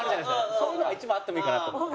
そういうのが一枚あってもいいかなと。